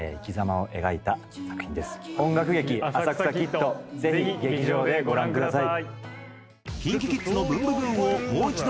音楽劇『浅草キッド』ぜひ劇場でご覧ください。